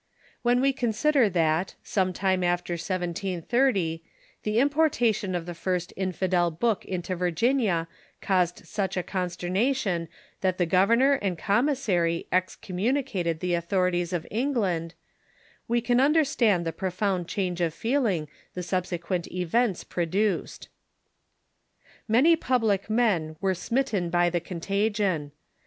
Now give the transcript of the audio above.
When we consider that, some time after 1730, the importation of the first infidel book into Virginia 502 THE CHURCH IN THE UNITED STATES caused such a consternation that the governor and commis sary excommunicated the authorities of England, we can un derstand the profound change of feeling the subsequent events produced. Many public men were smitten by the contagion.